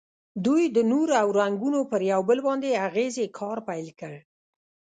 دوی د نور او رنګونو پر یو بل باندې اغیزې کار پیل کړ.